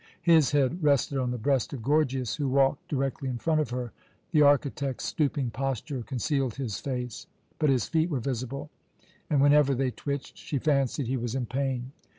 His head rested on the breast of Gorgias, who walked directly in front of her; the architect's stooping posture concealed his face, but his feet were visible and, whenever they twitched, she fancied he was in pain.